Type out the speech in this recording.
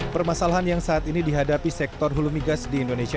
permasalahan yang saat ini dihadapi sektor hulumigas di indonesia